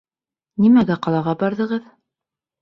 Нимәгә ҡалаға барҙығыҙ?